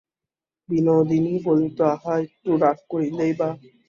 বিনোদিনী বলিত, আহা, একটু রাগ করিলই বা।